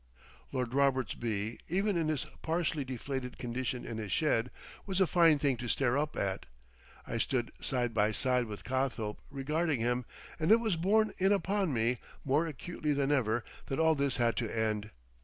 Lord Roberts B, even in his partially deflated condition in his shed, was a fine thing to stare up at. I stood side by side with Cothope regarding him, and it was borne in upon me more acutely than ever that all this had to end.